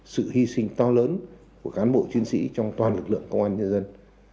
sinh to lớn của cán bộ chiến sĩ trong toàn lực lượng công an nhân dân